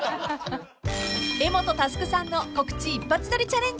［柄本佑さんの告知一発撮りチャレンジ］